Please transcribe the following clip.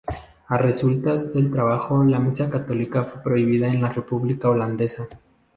A resultas del tratado la misa católica fue prohibida en la República holandesa.